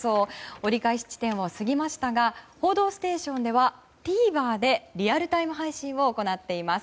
折り返し地点を過ぎましたが「報道ステーション」ではＴＶｅｒでリアルタイム配信を行っています。